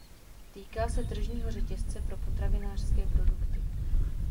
Týká se tržního řetězce pro potravinářské produkty.